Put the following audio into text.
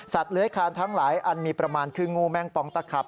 เลื้อยคานทั้งหลายอันมีประมาณคืองูแมงปองตะขับ